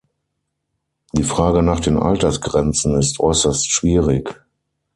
Die Frage nach den Altersgrenzen ist äußerst schwierig.